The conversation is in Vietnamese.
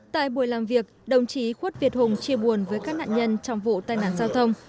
tại buổi làm việc đồng chí khuất việt hùng chia buồn với các nạn nhân trong vụ tai nạn giao thông